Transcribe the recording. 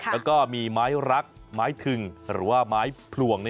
แล้วก็มีไม้รักไม้ทึงหรือว่าไม้พลวง